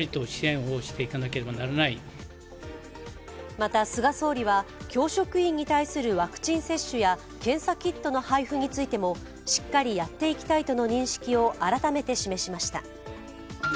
また菅総理は教職員に対するワクチン接種や検査キットの配布についてもしっかりやっていきたいとの認識を改めて示しました。